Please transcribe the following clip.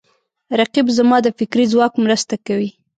رقیب زما د فکري ځواک مرسته کوي